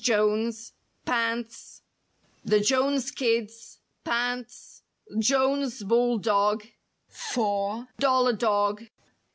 JONES —PANTS—THE JONES KIDS—PANTS. JONES BULL DOG—A. DOLLAR DOG.